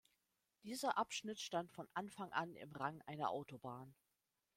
Dieser Abschnitt stand von Anfang an im Rang einer Autobahn.